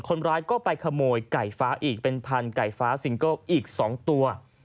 คนร้ายก็ไปขโมยไก่ฟ้าอีกเป็นพันไก่ฟ้าซิงเกิลอีก๒ตัว